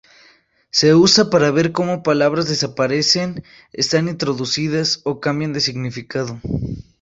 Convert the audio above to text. Se usa para ver como palabras desaparecen, están introducidas o cambian de significado.